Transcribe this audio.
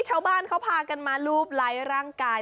ชาวบ้านเขาพากันมารูปไลฟ์ร่างกาย